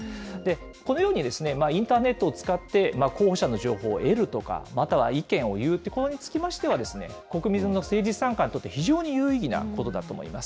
このようにですね、インターネットを使って候補者の情報を得るとか、または意見を言うということにつきましては、国民の政治参加にとって、非常に有意義なことだと思います。